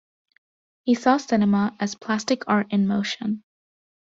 He saw cinema as "plastic art in motion".